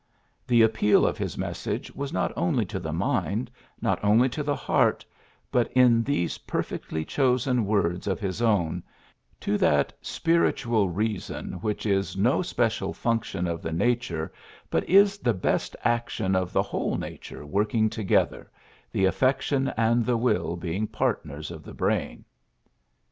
The appeal of his message was not only to the mind, not only to the heart, but, in these perfectly chosen words of his own, ^Ho that spiritual 54 PHILLIPS BEOOKS reason which is no special function of the nature, but is the best action of the whole nature working together, the aflfec tion and the will being partners of the brain.